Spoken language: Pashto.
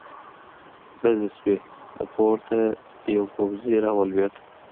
ډزې شوې، له پورته يو پوځې را ولوېد.